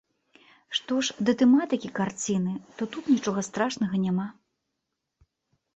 Што ж да тэматыкі карціны, то тут нічога страшнага няма.